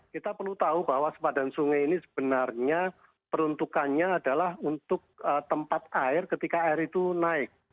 kita perlu tahu bahwa sepadan sungai ini sebenarnya peruntukannya adalah untuk tempat air ketika air itu naik